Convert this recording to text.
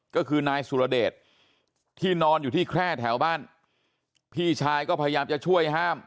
ก็คือนายสุรเดชที่นอนอยู่ที่แคร่แถวบ้านพี่ชายก็พยายามจะช่วยห้าม